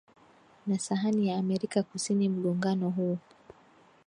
na sahani ya Amerika Kusini Mgongano huu